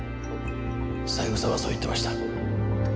三枝はそう言っていました。